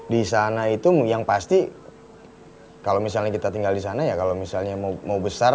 di sana itu yang pasti kalau misalnya kita tinggal di sana ya kalau misalnya mau besar